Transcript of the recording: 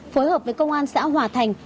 phối hợp với công an xã hòa thành